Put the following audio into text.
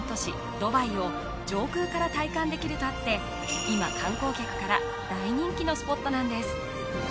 ドバイを上空から体感できるとあって今観光客から大人気のスポットなんです